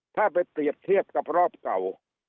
ถ้าไปเปรียบเทียบกับรอบเก่า